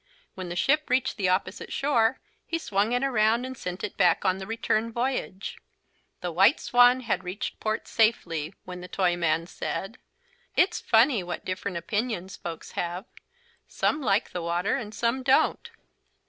When the ship reached the opposite shore he swung it around and sent it back on the return voyage. The "White Swan" had reached port safely, when the Toyman said: "It's funny what different opinions folks have. Some like the water and some don't.